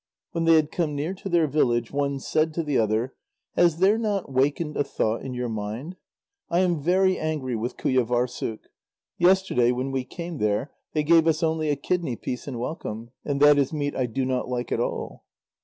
When they had come near to their village, one said to the other: "Has there not wakened a thought in your mind? I am very angry with Qujâvârssuk. Yesterday, when we came there, they gave us only a kidney piece in welcome, and that is meat I do not like at all."